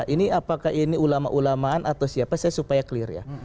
ini apakah ini ulama ulamaan atau siapa saya supaya clear ya